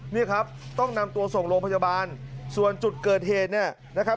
นี่ครับต้องนำตัวส่งโรงพยาบาลส่วนจุดเกิดเหตุเนี่ยนะครับ